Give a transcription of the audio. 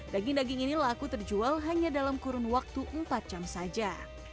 daging daging ini laku terjual hanya dalam kurun waktu empat jam saja